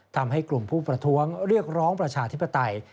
ทำให้กลุ่มผู้ประท้วงเรียกร้องประชาธิปไตย